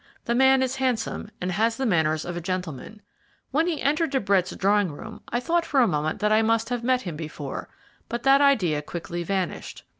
The man is handsome, and has the manners of a gentleman. When he entered De Brett's drawing room I thought for a moment that I must have met him before, but that idea quickly vanished.